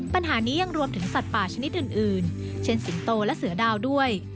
ปัญหานี้ยังรวมถึงสัตว์ป่าชนิดอื่นเช่นสิงโตและเสือดาวด้วย